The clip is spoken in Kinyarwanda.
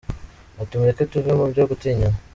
Ati “Mureke tuve mu byo gutinyana.